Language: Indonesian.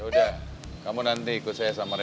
ya udah kamu nanti ikut sama si nyobos ya